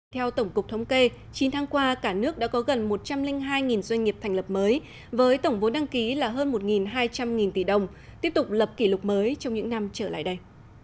theo tổng cục thống kê chín tháng qua cả nước đã có gần một trăm linh hai doanh nghiệp thành lập mới với tổng vốn đăng ký là hơn một hai trăm linh tỷ đồng tiếp tục lập kỷ lục mới trong những năm trở lại đây